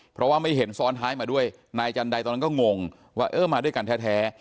เพราะว่าไม่เห็นซ้อนท้ายมาด้วยนายจันไดตอนนั้นก็งงว่าเออมาด้วยกันแท้